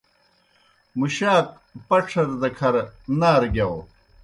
مُشاک پَڇَھر دہ کھر نارہ گِیاؤ۔